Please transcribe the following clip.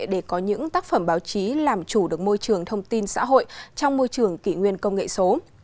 để có những tác phẩm báo chí làm chủ được môi trường thông tin xã hội trong môi trường kỷ nguyên công nghệ số